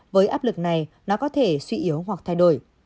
với áp lực này nó có thể suy yếu hoặc thay đổi